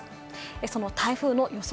その台風の予想